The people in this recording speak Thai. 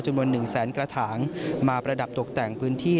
จำนวน๑แสนกระถางมาประดับตกแต่งพื้นที่